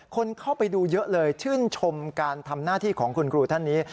คนเข้าไปดูเยอะเลยชื่นชมการทำหน้าที่ของคุณครูท่านนี้